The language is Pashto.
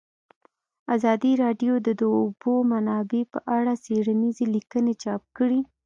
ازادي راډیو د د اوبو منابع په اړه څېړنیزې لیکنې چاپ کړي.